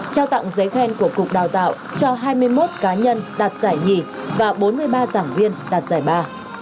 trao tặng giấy khen của cục đào tạo cho hai mươi một cá nhân đạt giải nhì và bốn mươi ba giảng viên đạt giải ba